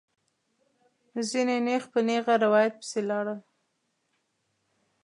ځینې نېغ په نېغه روایت پسې لاړل.